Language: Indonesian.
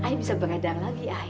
i bisa beredar lagi i